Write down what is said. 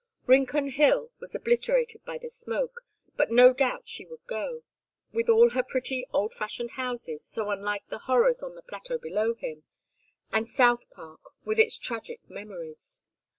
Rincon Hill was obliterated by the smoke, but no doubt she would go; with all her pretty old fashioned houses, so unlike the horrors on the plateau below him and South Park with its tragic memories.